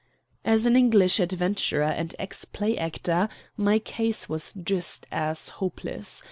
As an English adventurer and ex play actor my case was just as hopeless.